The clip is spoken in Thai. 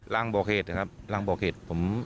ร่างบอกเหตุครับร่างบอกเหตุ